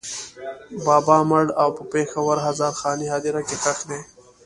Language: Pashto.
بابا مړ او په پېښور هزارخانۍ هدېره کې ښخ دی.